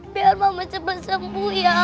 biar mama cepat sembuh ya